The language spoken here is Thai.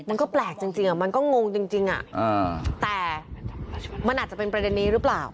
มันก็แปลกจริงมันก็งงจริงแต่มันอาจจะเป็นประเด็นนี้หรือเปล่า